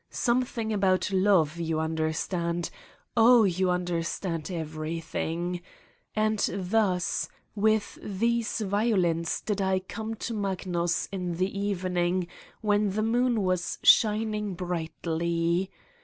Something about love, you understand. Oh, you understand everything. And thus, with these vio lins did I come to Magnus in the evening when the moon was shining brightly.